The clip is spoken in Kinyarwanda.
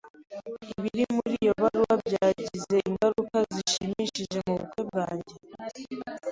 Ibiri muri iyo baruwa byagize ingaruka zishimishije mubukwe bwanjye.